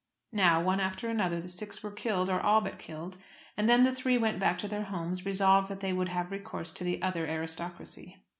Now, one after another, the six were killed, or all but killed, and then the three went back to their homes, resolved that they would have recourse to the other aristocracy.